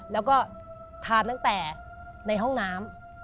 แล้วก็ทานตั้งแต่ในห้องน้ำ